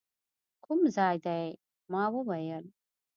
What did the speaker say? کوم ځای دی؟ ما وویل.